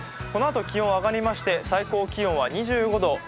このあと気温上がりまして最高気温は２５度。